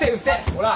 ほら。